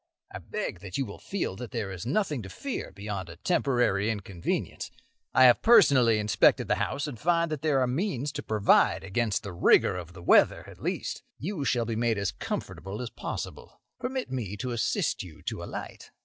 I beg that you will feel that there is nothing to fear beyond a temporary inconvenience. I have personally inspected the house, and find that there are means to provide against the rigour of the weather, at least. You shall be made as comfortable as possible. Permit me to assist you to alight."